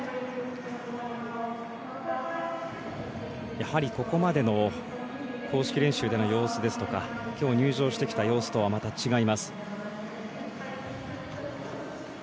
やはりここまでの公式練習での様子ですとかきょう入場してきた様子とはまた、違います。